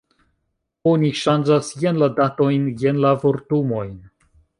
Oni ŝanĝas jen la datojn, jen la vortumojn.